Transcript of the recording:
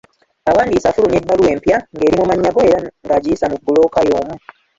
Awandiisa afulumya ebbaluwa empya ng'eri mu mannya go era ng'agiyisa mu bbulooka y'omu.